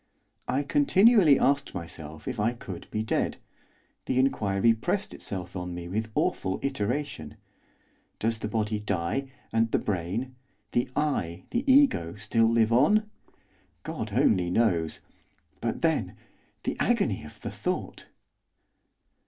I continually asked myself if I could be dead, the inquiry pressed itself on me with awful iteration. Does the body die, and the brain the I, the ego still live on? God only knows. But, then! the agony of the thought.